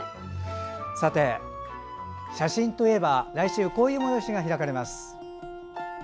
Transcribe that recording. さて写真といえば来週こういう催しが開かれます。